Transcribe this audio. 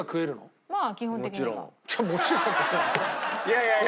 いやいやいや。